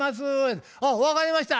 「あっ分かりました。